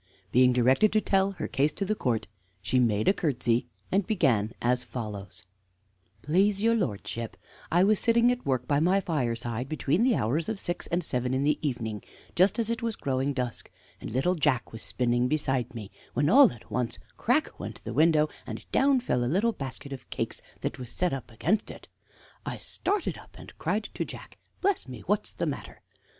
Being directed to tell her case to the court, she made a curtsey and began as follows: "Please, your lordship, I was sitting at work by my fireside between the hours of six and seven in the evening, just as it was growing dusk, and little Jack was spinning beside me, when all at once crack went the window, and down fell a little basket of cakes that was set up against it. I started up and cried to Jack: 'Bless me, what's the matter?'